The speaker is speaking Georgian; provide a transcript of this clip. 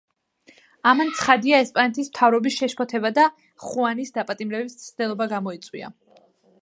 ამან ცხადია ესპანეთის მთავრობის შეშფოთება და ხუანის დაპატიმრების მცდელობა გამოიწვია.